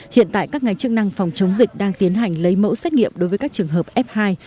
hiện tại các ngành chức năng phòng chống dịch đang tiến hành lấy mẫu xét nghiệm đối với các trường hợp f hai